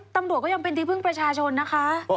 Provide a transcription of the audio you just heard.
ตำรวจก็ยังเป็นที่พึ่งประชาชนนะคะ